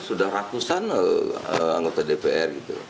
sudah ratusan anggota depan